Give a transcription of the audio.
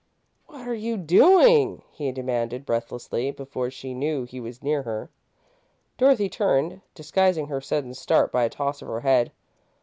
"What are you doing?" he demanded, breathlessly, before she knew he was near her. Dorothy turned, disguising her sudden start by a toss of her head.